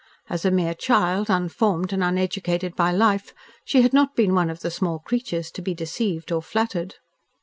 As a mere child, unformed and uneducated by life, she had not been one of the small creatures to be deceived or flattered.